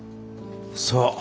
そう。